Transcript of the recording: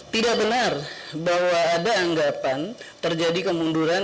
tidak benar bahwa ada anggapan terjadi kemunduran